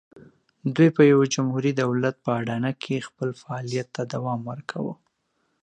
دوی په یوه جمهوري دولت په اډانه کې خپل فعالیت ته دوام ورکاوه.